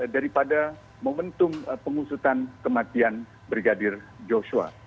daripada momentum pengusutan kematian brigadir joshua